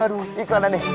aduh iklan aneh